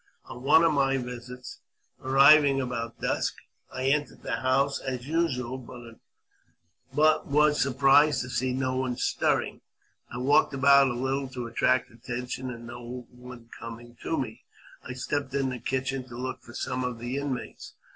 On one of my visits, arriving about dusk, I entered the house as usual, but was surprised to see no one stirring. I walked about a little to attract attention, and no one coming to me, I stepped into the kitchen to look for some of the inmates.